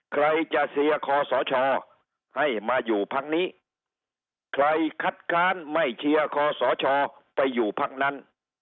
ใครจะเชียร์คอสชให้มาอยู่พักนี้ใครคัดค้านไม่เชียร์คอสชไปอยู่พักนั้น